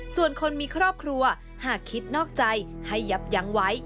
ส่วนคนมีครอบครัวหากคิดนอกใจให้ยับยั้งไว้